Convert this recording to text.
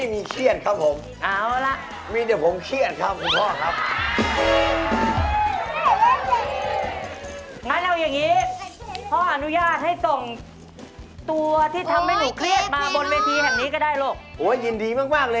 มีพลังครับผมนี่